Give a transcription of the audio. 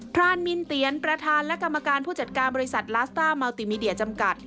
รานมินเตียนประธานและกรรมการผู้จัดการบริษัทลาสต้าเมาติมีเดียจำกัด